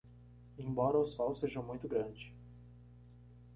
Embora o sol seja muito grande